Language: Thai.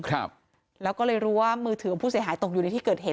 ครับแล้วก็เลยรู้ว่ามือถือของผู้เสียหายตกอยู่ในที่เกิดเหตุ